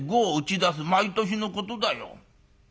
毎年のことだよ。